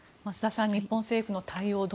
増田さん、日本政府の対応